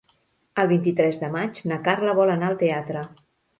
El vint-i-tres de maig na Carla vol anar al teatre.